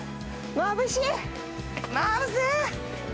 まぶしい！